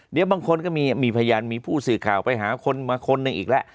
เดี๋ยวบางคนก็มีพยานมีผู้สื่อข่าวไปหาคนมาคนหนึ่งอีกแล้ว